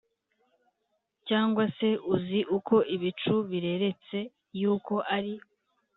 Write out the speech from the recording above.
Cyangwa se uzi uko ibicu bireretse Yuko ari